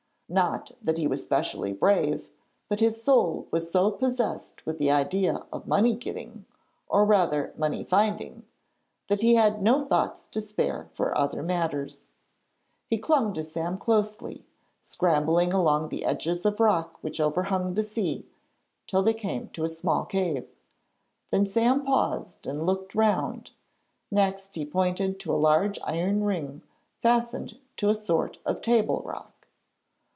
Not that he was specially brave, but his soul was so possessed with the idea of money getting or, rather, money finding that he had no thoughts to spare for other matters. He clung to Sam closely, scrambling along the edges of rocks which overhung the sea, till they came to a small cave. Then Sam paused and looked round; next he pointed to a large iron ring fastened to a sort of table rock.